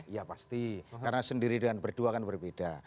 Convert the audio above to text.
ya pasti karena sendiri dengan berdua kan berbeda